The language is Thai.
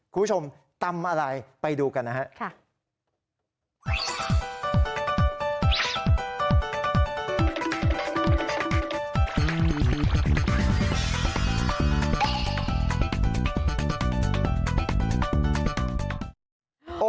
คุณผู้ชมตำอะไรไปดูกันนะครับ